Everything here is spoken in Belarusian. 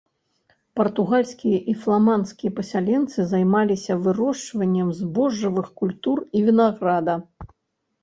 Партугальскія і фламандскія пасяленцы займаліся вырошчваннем збожжавых культур і вінаграда.